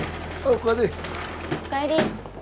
お帰り。